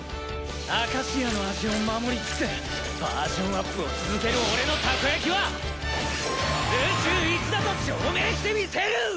明石屋の味を守りつつバージョンアップを続ける俺のたこやきは宇宙一だと証明してみせる！